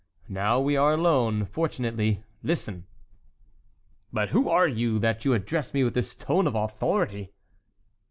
Now we are alone, fortunately; listen!" "But who are you that you address me with this tone of authority?"